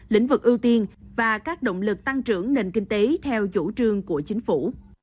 lĩnh vực ưu tiên và các động lực tăng trưởng nền kinh tế theo chủ trương của chính phủ